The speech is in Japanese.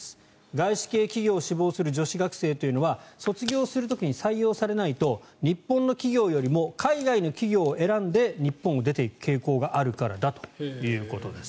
外資系企業を志望する女子学生というのは卒業する時に採用されないと日本の企業よりも海外の企業を選んで日本を出ていく傾向があるからだということです。